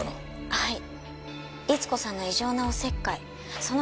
はい。